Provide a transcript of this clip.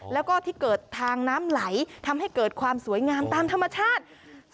แล้วก็ที่เกิดทางน้ำไหลทำให้เกิดความสวยงามตามธรรมชาติ